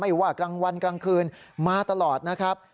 ว่ากลางวันกลางคืนมาตลอดนะครับ